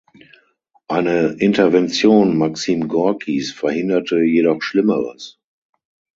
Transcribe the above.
Eine Intervention Maxim Gorkis verhinderte jedoch Schlimmeres.